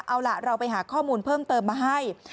เอาล่ะเราไปหาข้อมูลเพิ่มเติมมาให้